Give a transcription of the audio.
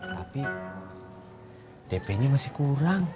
tapi dp nya masih kurang